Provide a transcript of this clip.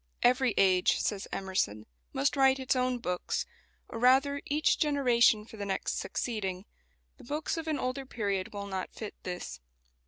"Every age," says Emerson, "must write its own books; or rather, each generation for the next succeeding. The books of an older period will not fit this."